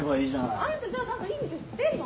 あんたじゃあ何かいい店知ってんの？